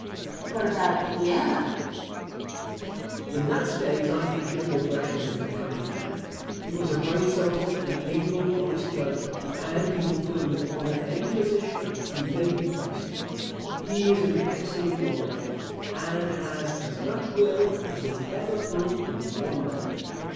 Question. What about Indiana? Answer. In that State I think General Gresham is the coming man. He was a brave soldier, an able, honest judge, and he will fill with honor any position he may be placed in. He is an excellent lawyer, and has as much will as was ever put in one man.